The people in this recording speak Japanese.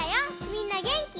みんなげんき？